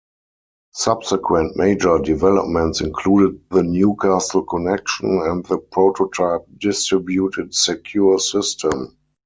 Subsequent major developments included the Newcastle Connection, and the prototype distributed Secure System.